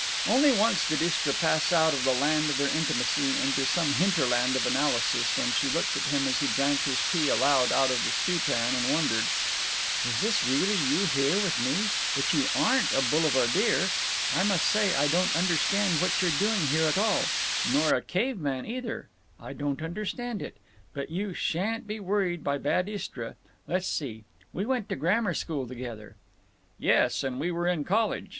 Only once did Istra pass out of the land of their intimacy into some hinterland of analysis—when she looked at him as he drank his tea aloud out of the stew pan, and wondered: "Is this really you here with me? But you aren't a boulevardier. I must say I don't understand what you're doing here at all…. Nor a caveman, either. I don't understand it…. But you sha'n't be worried by bad Istra. Let's see; we went to grammar school together." "Yes, and we were in college.